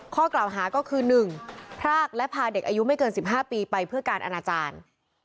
ข้อกล่าวหาก็คือ๑พรากและพาเด็กอายุไม่เกิน๑๕ปีไปเพื่อการอนาจารย์